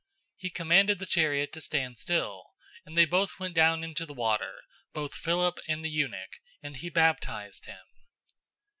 '"} 008:038 He commanded the chariot to stand still, and they both went down into the water, both Philip and the eunuch, and he baptized him.